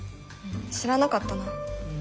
知らなかったな。